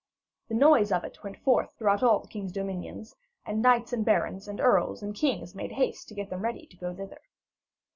The noise of it went forth throughout all the king's dominions, and knights and barons, and earls and kings, made haste to get them ready to go thither.